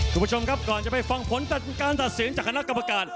คุณผู้ชมครับก่อนจะไปฟังผลการตัดเสียงจากคณะกรรมการ